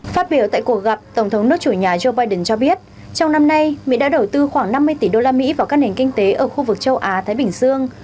phát biểu tại cuộc gặp tổng thống nước chủ nhà joe biden cho biết trong năm nay mỹ đã đầu tư khoảng năm mươi tỷ usd vào các nền kinh tế ở khu vực châu á thái bình dương